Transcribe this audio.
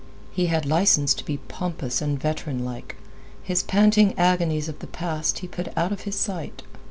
He had license to be pompous and veteranlike. His panting agonies of the past he put out of his sight.